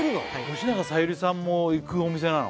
吉永小百合さんも行くお店なの？